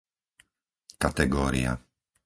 kategória